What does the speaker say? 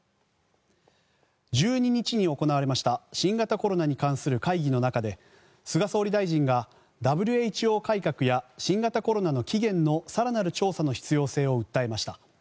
１２日に行われました新型コロナに関する会議の中で菅総理大臣がＷＨＯ改革や新型コロナの起源の更なる調査の必要性を訴えました。